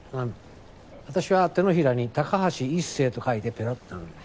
私は手のひらに「高橋一生」と書いてペロッとなめます。